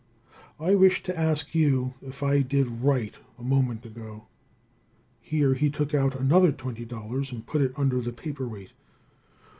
I wish to ask you if I did right a moment ago?" Here he took out another $20 and put it under the paper weight.